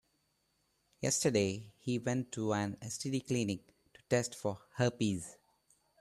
Yesterday, he went to an STD clinic to test for herpes.